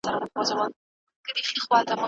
تاسو د خپل وجود په قوي ساتلو بوخت یاست.